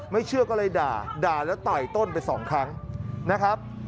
เชื่อก็เลยด่าด่าแล้วต่อยต้นไปสองครั้งนะครับ